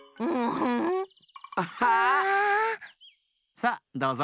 さっどうぞ。